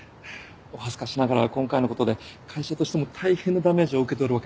お恥ずかしながら今回のことで会社としても大変なダメージを受けておるわけなんです。